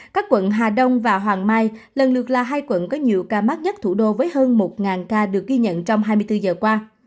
các quận hà đông và hoàng mai lần lượt là hai quận có nhiều ca mắc nhất thủ đô với hơn một ca được ghi nhận trong hai mươi bốn giờ qua